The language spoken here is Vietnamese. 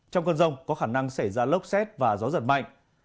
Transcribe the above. trong cơn rông có khả năng xảy ra lốc xét và gió giật mạnh